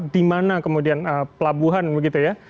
dimana kemudian pelabuhan begitu ya